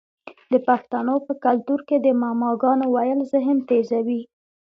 د پښتنو په کلتور کې د معما ګانو ویل ذهن تیزوي.